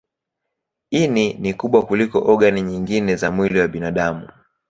Ini ni kubwa kuliko ogani nyingine za mwili wa binadamu.